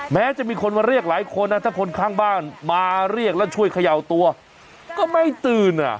แม้จะมีคนมาเรียกหลายคนถ้าคนข้างบ้านมาเรียกแล้วช่วยเขย่าตัวก็ไม่ตื่นอ่ะ